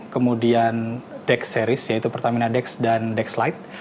kemudian dex series yaitu pertamina dex dan dex light